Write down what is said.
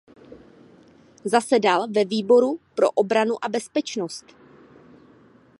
Zasedal ve výboru pro obranu a bezpečnost.